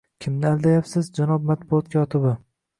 Kimni aldayapsiz, janob matbuot kotibi?!